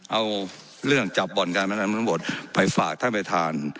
เอาเรื่องจับบ่อนกายมาธัยมันบทไปฝากท่านประธาน